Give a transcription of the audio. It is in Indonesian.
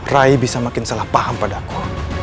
rai bisa makin salah paham padaku